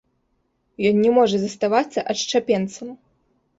Ён не можа заставацца адшчапенцам.